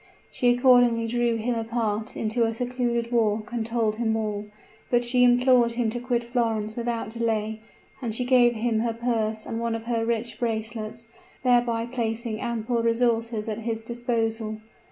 She accordingly drew him apart into a secluded walk and told him all; but she implored him to quit Florence without delay, and she gave him her purse and one of her rich bracelets, thereby placing ample resources at his disposal.